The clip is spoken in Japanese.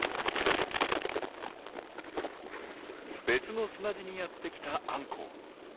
別の砂地にやってきたアンコウ。